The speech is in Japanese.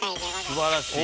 すばらしい。